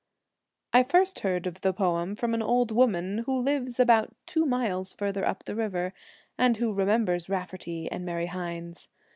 I first heard of the poem from an old woman who lives about two miles further up the river, and who remembers Raftery and Mary Hynes.